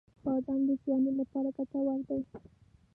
• بادام د ځوانۍ لپاره ګټور دی.